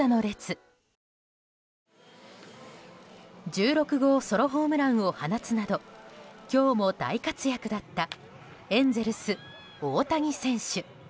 １６号ソロホームランを放つなど今日も大活躍だったエンゼルス、大谷選手。